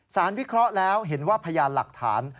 วิเคราะห์แล้วเห็นว่าพยานหลักฐาน